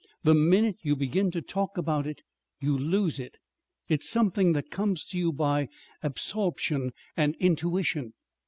The minute you begin to talk about it, you lose it. It's something that comes to you by absorption and intuition."